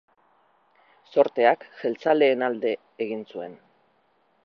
Zorteak jeltzaleen alde egin zuen.